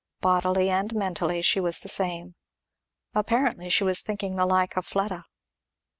Bodily and mentally she was the same. Apparently she was thinking the like of Fleda.